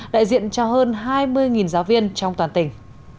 đại diện cho hơn hai mươi giáo viên trong toàn tỉnh